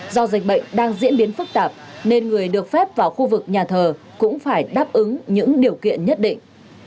do dịch bệnh đang diễn biến phức tạp nên người được phép vào khu vực nhà thờ cũng phải đáp ứng những điều kiện nhất định